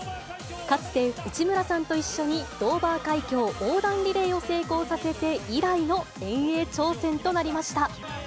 かつて、内村さんと一緒にドーバー海峡横断リレーを成功させて以来の遠泳挑戦となりました。